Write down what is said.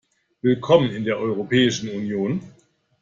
Willkommen in der Europäischen Union!